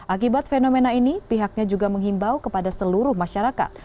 akibat fenomena ini pihaknya juga menghimbau kepada seluruh masyarakat